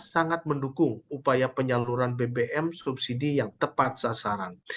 sangat mendukung upaya penyaluran bbm subsidi yang tepat sasaran